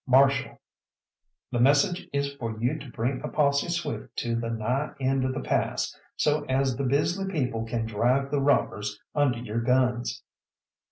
Marshal, the message is for you to bring a posse swift to the nigh end of the pass, so as the Bisley people can drive the robbers under your guns."